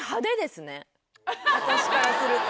私からすると。